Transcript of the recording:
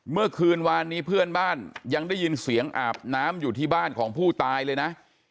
เมื่อวานนี้เพื่อนบ้านยังได้ยินเสียงอาบน้ำอยู่ที่บ้านของผู้ตายเลยนะ